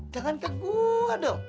jangan ke gua dong